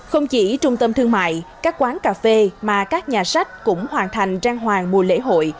không chỉ trung tâm thương mại các quán cà phê mà các nhà sách cũng hoàn thành trang hoàng mùa lễ hội